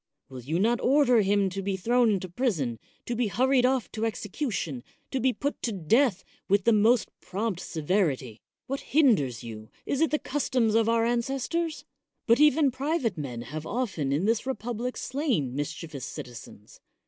Will you not order him to be thrown into prison, to be hurried off to execution, to be put to death with the most prompt severity ? What hinders you ? Is it the customs of our ances tors? But even private men have often in this republic slain mischievous citizens.